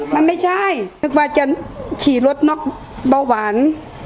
มันไม่ใช่นึกว่าจะขี่รถน็อกเบาหวาน